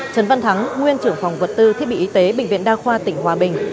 trần văn thắng nguyên trưởng phòng vật tư thiết bị y tế bệnh viện đa khoa tỉnh hòa bình